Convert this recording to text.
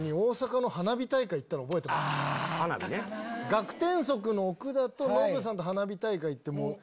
ガクテンソクの奥田とノブさんと花火大会行って